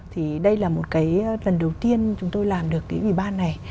thì đây là một cái lần đầu tiên chúng tôi làm được cái ủy ban này